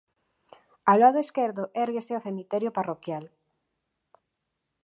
Ao lado esquerdo érguese o cemiterio parroquial.